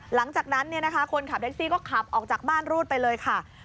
หลังจากนั้นคนขับแท็กซี่ก็ขับออกจากบ้านรูดไปเลยค่ะ